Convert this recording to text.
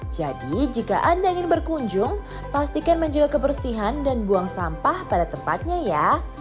jadi jika anda ingin berkunjung pastikan menjaga kebersihan dan buang sampah pada tempatnya ya